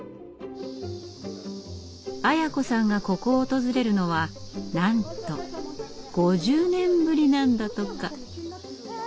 アヤ子さんがここを訪れるのはなんと５０年ぶりなんだとか。